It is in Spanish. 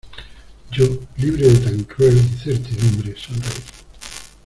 yo, libre de tan cruel incertidumbre , sonreí: